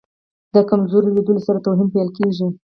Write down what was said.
د کمزوري لیدلو سره توهین پیل کېږي.